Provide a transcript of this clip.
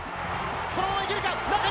このまま行けるか？